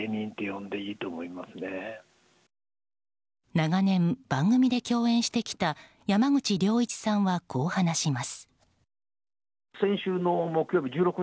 長年、番組で共演してきた山口良一さんはこう話します。